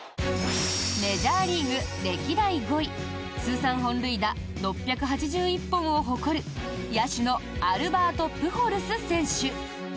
メジャーリーグ歴代５位通算本塁打６８１本を誇る野手のアルバート・プホルス選手。